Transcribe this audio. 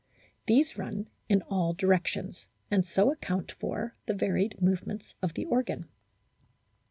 These run in all directions, and so account for the varied movements of the organ.